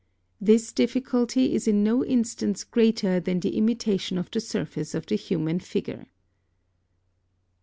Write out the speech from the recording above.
This difficulty is in no instance greater than in the imitation of the surface of the human figure.